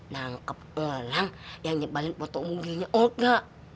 nangkep gelang yang nyebalin foto mobilnya olga